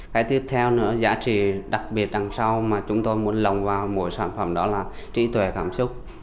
cái tiếp theo nữa giá trị đặc biệt đằng sau mà chúng tôi muốn lồng vào mỗi sản phẩm đó là trí tuệ cảm xúc